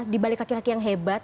di balik laki laki yang hebat